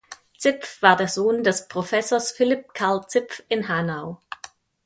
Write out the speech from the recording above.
Zipf war der Sohn des Professors Philipp Carl Zipf in Hanau.